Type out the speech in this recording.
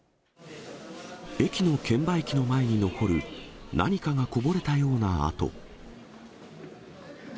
駅の券売機の前に残る、何かがこぼれたような跡。